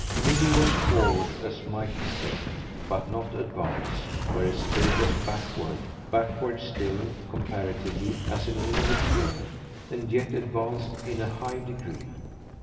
Milly was forward, as might be said, but not advanced; whereas Kate was backward backward still, comparatively, as an English girl and yet advanced in a high degree.